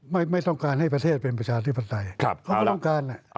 ไม่ต้องการให้ประเทศเป็นประชาธิปไตย